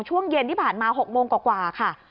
ช่วงเย็นที่ผ่านมา๖โมงกว่าค่ะ